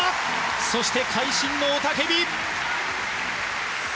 そして会心の雄たけび！